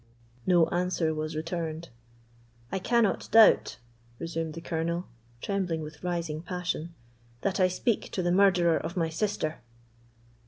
No answer was returned. "I cannot doubt," resumed the Colonel, trembling with rising passion, "that I speak to the murderer of my sister!"